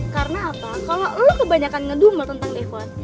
karena apa kalau lo kebanyakan ngedumel tentang devon